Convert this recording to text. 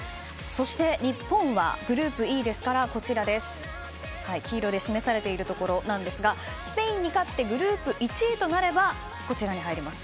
そして、日本はグループＥですから黄色で示されているところなんですがスペインに勝ってグループ１位となればこちらに入ります。